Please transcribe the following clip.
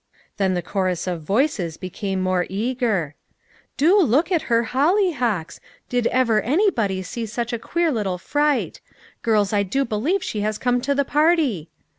THE FLOWER PARTY. 309 Then the chorus of voices became more eager :" Do look at her hollyhocks ! Did ever any body see such a queer little fright ! Girls, I do believe she has come to the party."